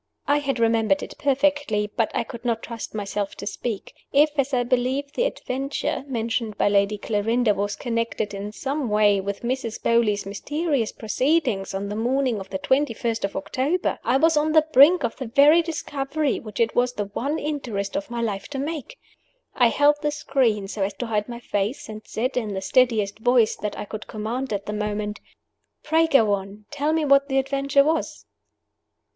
I had remembered it perfectly; but I could not trust myself to speak. If, as I believed, the "adventure" mentioned by Lady Clarinda was connected, in some way, with Mrs. Beauly's mysterious proceedings on the morning of the twenty first of October, I was on the brink of the very discovery which it was the one interest of my life to make! I held the screen so as to hide my face; and I said, in the steadiest voice that I could command at the moment, "Pray go on! pray tell me what the adventure was!"